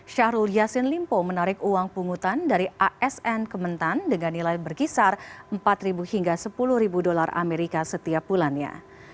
syahrul yassin limpo menarik uang pungutan dari asn kementan dengan nilai berkisar empat hingga sepuluh dolar amerika setiap bulannya